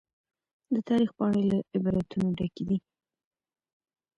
د تاريخ پاڼي له عبرتونو ډکي دي.